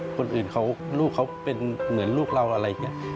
คนอื่นเขาลูกเขาเป็นเหมือนลูกเราอะไรอย่างนี้